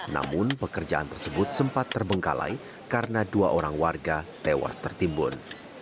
namun pekerjaan tersebut sempat terbengkalai karena dua orang warga tewas tertimbun